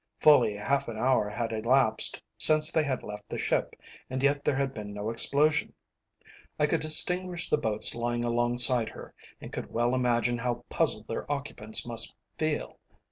Fully half an hour had elapsed since they had left the ship, and yet there had been no explosion. I could distinguish the boats lying alongside her, and could well imagine how puzzled their occupants must feel.